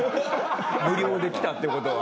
無料で来たって事は。